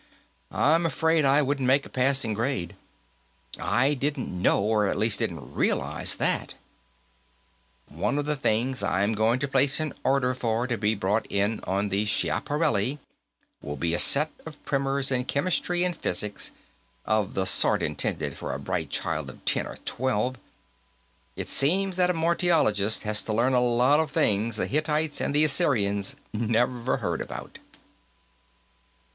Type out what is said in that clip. "I'm afraid I wouldn't make a passing grade. I didn't know, or at least didn't realize, that. One of the things I'm going to place an order for, to be brought on the Schiaparelli, will be a set of primers in chemistry and physics, of the sort intended for a bright child of ten or twelve. It seems that a Martiologist has to learn a lot of things the Hittites and the Assyrians never heard about."